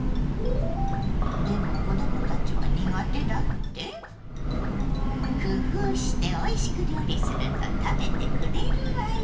でも子供たちは苦手だって⁉工夫しておいしく料理すると食べてくれるわよ！